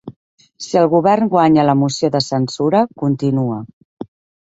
Si el govern guanya la moció de censura, continua.